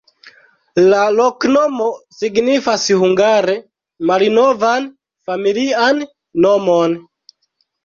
La loknomo signifas hungare malnovan familian nomon.